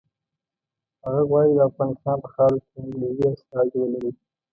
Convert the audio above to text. هغه غواړي د افغانستان په خاوره کې انګریزي استازي ولري.